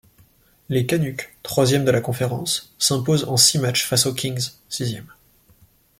Les Canucks, troisièmes de la conférence, s'imposent en six matchs face aux Kings, sixièmes.